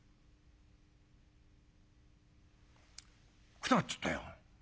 「くたばっちゃったよ。